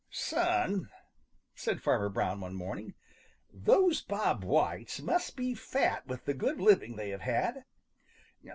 "Son," said Farmer Brown one morning, "those Bob Whites must be fat with the good living they have had.